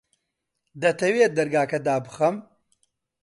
دەتەوێت دەرگاکە دابخەم؟